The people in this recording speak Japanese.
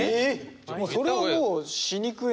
それはもう歯肉炎。